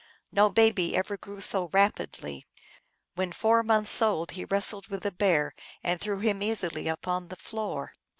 No baby ever grew so rapidly : when four months old he wrestled with the Bear and threw him easily upon the floor.